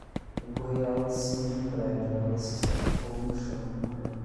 Empurrei ela de cima de um prédio, ela se espatifou no chão e morreu